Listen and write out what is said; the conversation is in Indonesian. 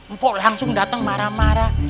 mpok langsung datang marah marah